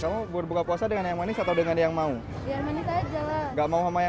bubur bubur apa nih namanya